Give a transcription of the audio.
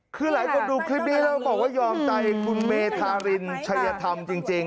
คือหลายคนดูคลิปนี้แล้วบอกว่ายอมใจคุณเมธารินชัยธรรมจริง